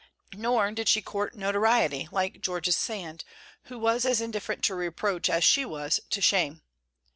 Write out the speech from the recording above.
Nor did she court notoriety, like Georges Sand, who was as indifferent to reproach as she was to shame.